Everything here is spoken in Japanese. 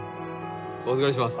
お預かりします。